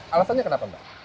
alasannya kenapa mbak